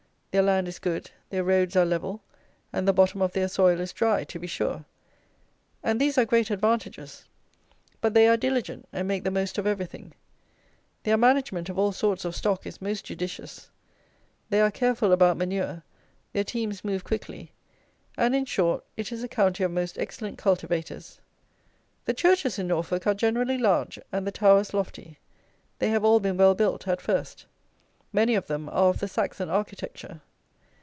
Their land is good, their roads are level, and the bottom of their soil is dry, to be sure; and these are great advantages; but they are diligent, and make the most of everything. Their management of all sorts of stock is most judicious; they are careful about manure; their teams move quickly; and, in short, it is a county of most excellent cultivators. The churches in Norfolk are generally large and the towers lofty. They have all been well built at first. Many of them are of the Saxon architecture.